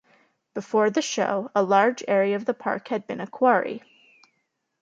Before the show, a large area of the park had been a quarry.